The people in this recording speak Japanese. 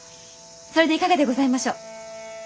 それでいかがでございましょう？